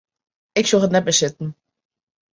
Ik sjoch it net mear sitten.